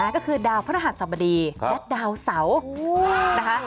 ก็คือดาวพระรหัสสบดีและดาวเสานะคะ